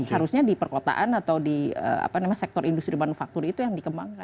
harusnya di perkotaan atau di sektor industri manufaktur itu yang dikembangkan